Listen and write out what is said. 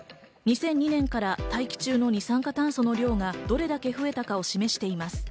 ２００２年から大気中の二酸化炭素の量がどれだけ増えたかを示しています。